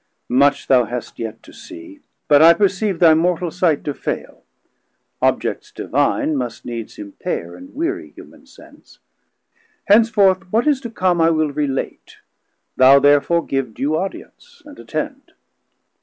Much thou hast yet to see, but I perceave Thy mortal sight to faile; objects divine Must needs impaire and wearie human sense: 10 Henceforth what is to com I will relate, Thou therefore give due audience, and attend.